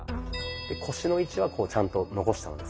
腰の位置はちゃんと残したままです。